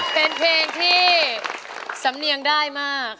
เป็นเพลงที่สำเนียงได้มาก